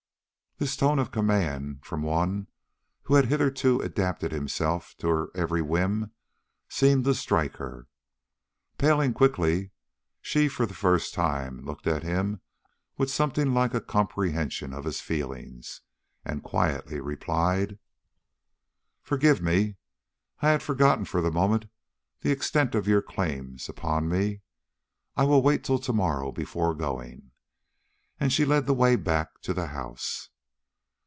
This tone of command from one who had hitherto adapted himself to her every whim, seemed to strike her. Paling quickly, she for the first time looked at him with something like a comprehension of his feelings, and quietly replied: "Forgive me. I had forgotten for the moment the extent of your claims upon me. I will wait till to morrow before going." And she led the way back to the house.